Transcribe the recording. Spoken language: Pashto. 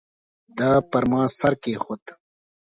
ده پر ما سر کېښود.